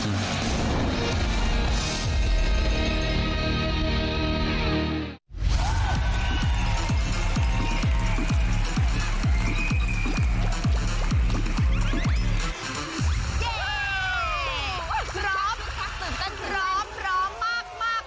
เย้กล้อมตื่นเต็มสง๑๙๘๕